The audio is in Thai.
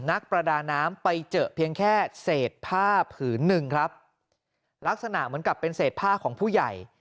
นักประดาน้ำไปเจอเพียงแค่เศษผ้าผืนหนึ่งครับลักษณะเหมือนกับเป็นเศษผ้าของผู้ใหญ่